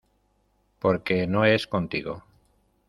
porque no es contigo.